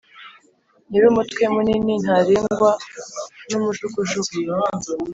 Nyir’umutwe munini ntarengwa n’umujugujugu